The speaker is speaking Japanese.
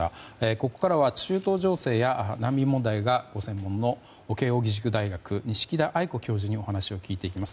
ここからは中東情勢や難民問題がご専門の慶應義塾大学錦田愛子教授にお話を聞いていきます。